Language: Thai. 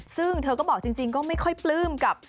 ซึ่งเธอก็บอกจริงก็ไม่ค่อยปลื้มกับ